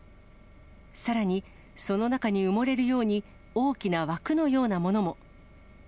さらに、その中に埋もれるように、大きな枠のようなものも。